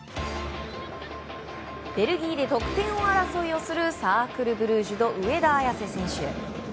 ベルギーで得点王争いをするサークル・ブルージュの上田綺世選手。